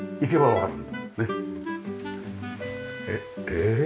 ええ。